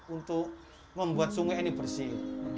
untuk membuat sungai ini bersih